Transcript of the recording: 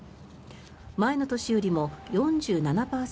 前の年よりも４７％